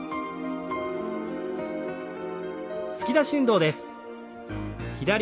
突き出し運動です。